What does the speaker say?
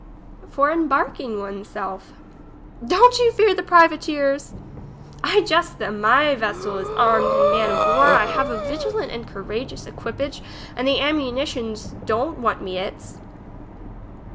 For embarking one's self. Don't you fear the privateers ! I jest of them ; my vessel is armed in man of war, I have a vigilant and courageous equipage, and the ammunitions don't want me its.